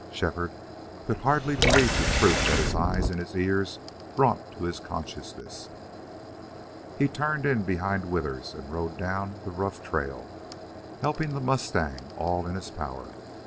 Shefford could hardly believe the truth that his eyes and his ears brought to his consciousness. He turned in behind Withers and rode down the rough trail, helping the mustang all in his power.